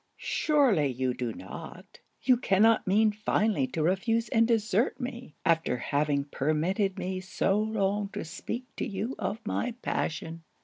Surely you do not, you cannot mean finally to refuse and desert me, after having permitted me so long to speak to you of my passion?'